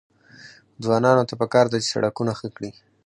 ځوانانو ته پکار ده چې، سړکونه ښه کړي.